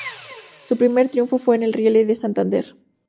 Su primer triunfo fue en el Rally de Santander.